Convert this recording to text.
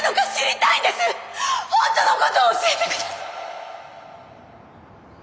本当のことを教えてください！